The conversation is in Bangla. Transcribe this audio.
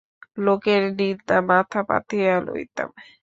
লোকের নিন্দা মাথা পাতিয়া লইতাম।